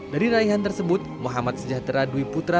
dari raihan tersebut muhammad sejahtera dwi putra